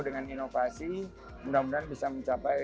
dengan inovasi mudah mudahan bisa mencapai